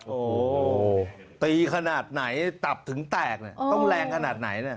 โอ้ตีขนาดไหนตับถึงแตกต้องแรงขนาดไหน